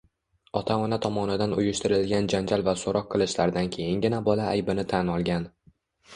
Ota-ona tomonidan uyushtirilgan janjal va so‘roq qilishlardan keyingina bola aybini tan olgan.